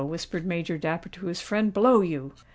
whispered Major Dapper to his friend; "blow you!"